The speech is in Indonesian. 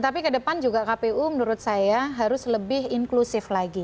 tapi ke depan juga kpu menurut saya harus lebih inklusif lagi